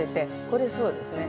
これそうですね。